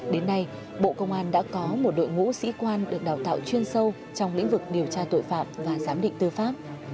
đến nay bộ công an đã có một đội ngũ sĩ quan được đào tạo chuyên sâu trong lĩnh vực điều tra tội phạm và giám định tư pháp